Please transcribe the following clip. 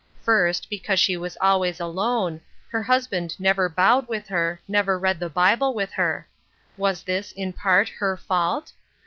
First,*because she was always alone ; her husband never bowed with her, never read the Bible with her. Was this, in part, her fault